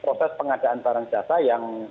proses pengadaan barang jasa yang